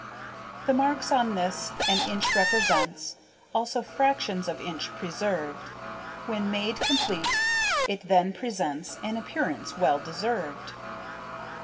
The marks on this an inch represents, Also fractions of inch preserved; When made complete it then presents An appearance well deserved.